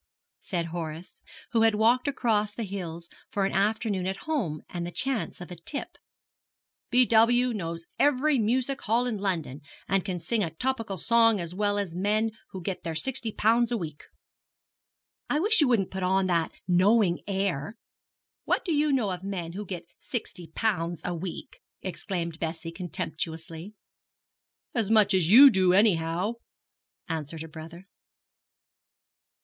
said Horace, who had walked across the hills for an afternoon at home and the chance of a tip, 'B. W. knows every music hall in London, and can sing a topical song as well as men who get their sixty pounds a week.' 'I wish you wouldn't put on that knowing air. What do you know of men who get sixty pounds a week?' exclaimed Bessie, contemptuously. 'As much as you do, anyhow,' answered her brother.